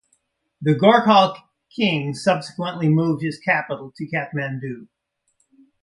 The Gorkhali king subsequently moved his capital to Kathmandu.